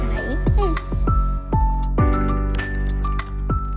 うん。